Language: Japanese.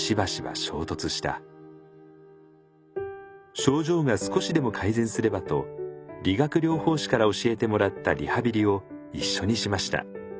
症状が少しでも改善すればと理学療法士から教えてもらったリハビリを一緒にしました。